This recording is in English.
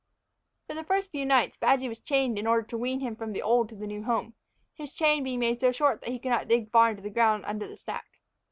For the first few nights Badgy was chained in order to wean him from the old to the new home, his chain being made so short that he could not dig far into the ground under the stack.